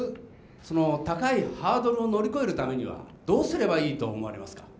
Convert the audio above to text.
その高いハードルを乗り越えるためにはどうすればいいと思われますか？